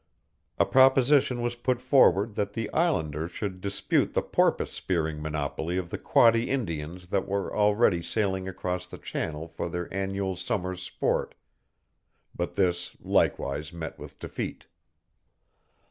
A proposition was put forward that the islanders should dispute the porpoise spearing monopoly of the Quoddy Indians that were already sailing across the channel for their annual summer's sport, but this likewise met with defeat.